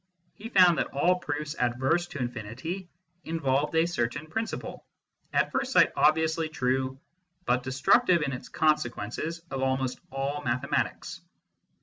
He found that all proofs adverse to infinity involved a certain principle, at first sight obviously true, but destructive, in its consequences, of almost all mathematics.